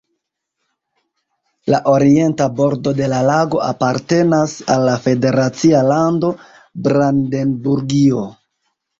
La orienta bordo de la lago apartenas al la federacia lando Brandenburgio.